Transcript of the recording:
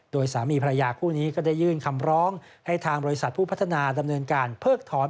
โดยสามีภรรยาคู่นี้ก็ได้ยื่นคำร้องให้ทางบริษัทผู้พัฒนาดำเนินการเพิกถอน